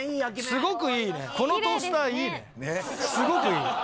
すごくいい！